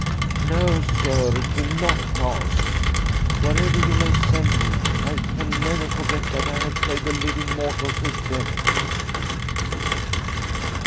" No, sir, it will not pass. Wherever you may send me, I can never forget that I have played a living mortal to death."